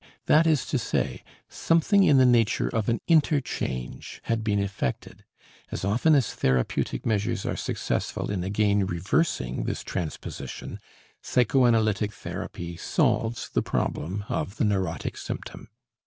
That is to say, something in the nature of an interchange had been effected; as often as therapeutic measures are successful in again reversing this transposition, psychoanalytic therapy solves the problem of the neurotic symptom.